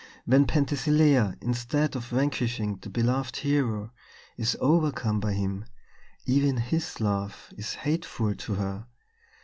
When Penthesilea, instead of vanquishing the beloved hero, is overcome by him, even his love is hateful to her.